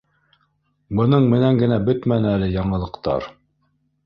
Бының менән генә бөтмәне әле яңылыҡтар.